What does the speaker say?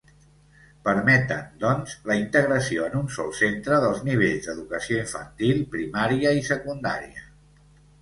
Permeten, doncs, la integració en un sol centre dels nivells d’educació infantil, primària i secundària.